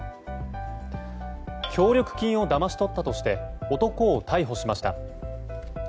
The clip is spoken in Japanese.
協力金をだまし取ったとして男を逮捕しました。